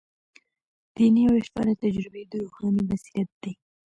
دیني او عرفاني تجربې د روحاني بصیرت دي.